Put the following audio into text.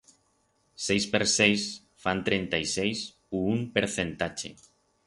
Seis per seis fan trenta y seis u un percentache.